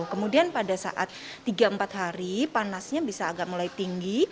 kemudian pada saat tiga empat hari panasnya bisa agak mulai tinggi